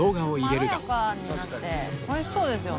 まろやかになって美味しそうですよね。